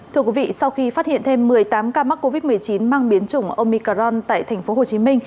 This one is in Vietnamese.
thưa quý vị sau khi phát hiện thêm một mươi tám ca mắc covid một mươi chín mang biến chủng omicron tại tp hcm